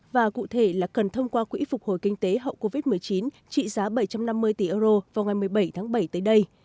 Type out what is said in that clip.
và cụ thể là cần thông qua quỹ phục hồi kinh tế hậu covid một mươi chín trị giá bảy trăm năm mươi tỷ euro vào ngày một mươi bảy tháng bảy tới đây